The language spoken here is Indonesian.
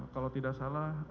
kalau tidak salah